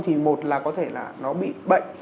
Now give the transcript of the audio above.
thì một là có thể là nó bị bệnh